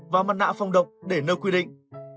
và mặt nạ phòng độc để nơi quy định